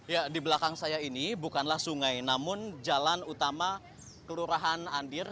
ya di belakang saya ini bukanlah sungai namun jalan utama kelurahan andir